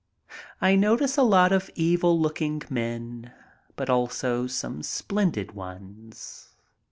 I notice a lot of evil looking men, but also some splendid ones.